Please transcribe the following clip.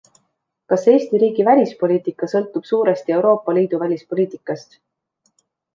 Kas Eesti riigi välispoliitika sõltub suuresti Euroopa Liidu välispoliitikast?